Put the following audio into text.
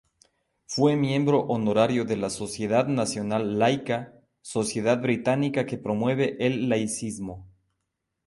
Fue miembro honorario de la Sociedad Nacional Laica, sociedad británica que promueve el laicismo.